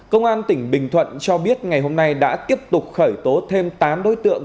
công an tỉnh bình thuận cho biết ngày hôm nay đã tiếp tục khởi tố thêm tám đối tượng